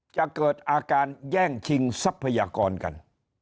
จะเกิดอาการแย่งชิงทรัพยากรกัน